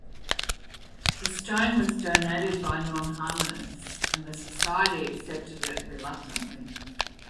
The stone was donated by Non-Harmonists, and the Society accepted it reluctantly.